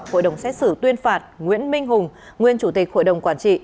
hội đồng xét xử tuyên phạt nguyễn minh hùng nguyên chủ tịch hội đồng quản trị